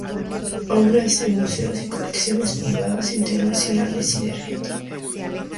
Obras en museos y colecciones privadas internacionales y de Argentina.